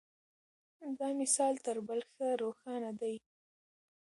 دا مثال تر بل ښه روښانه دی.